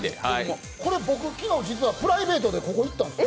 これ、僕、実はプライベートでここ行ったんです。